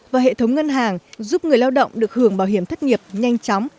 và hệ thống ngân hàng giúp người lao động được hưởng bảo hiểm thất nghiệp nhanh chóng